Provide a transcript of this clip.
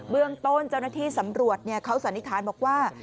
เรื่องต้นเจ้าหน้าที่สำรวจเขาสันนิษฐานบอกว่า